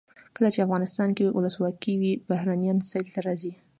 کله چې افغانستان کې ولسواکي وي بهرنیان سیل ته راځي.